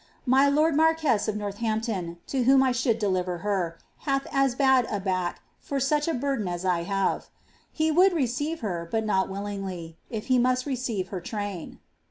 My lord marquess of Northampton, prhom I should deliver her, hath as bad a back for such a burden as ive. He would receive her, but not willingly, if he must receive train."'